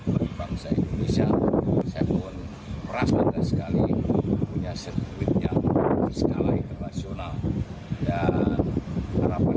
bagi bangsa indonesia saya doang merasa tersegali punya sirkuitnya di skala internasional dan harapan